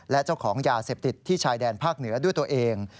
และเจ้าของยาเสพติดที่ชายแดนภาคเหนือด้วยตัวเอง